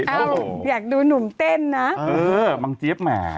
อยากดูหนุ่มเต้นนะเออบางเจี๊ยบแหม